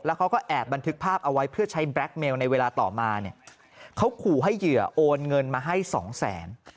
เขาก็แอบบันทึกภาพเอาไว้เพื่อใช้แบล็คเมลในเวลาต่อมาเนี่ยเขาขู่ให้เหยื่อโอนเงินมาให้สองแสน